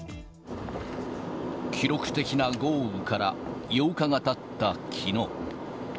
記録的な豪雨から８日がたった、きのう。